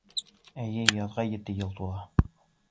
— Эйе, яҙға ете йыл тула.